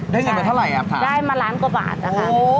ได้เงินไปเท่าไหร่อาบถามได้มาล้านกว่าบาทนะคะโอ้โห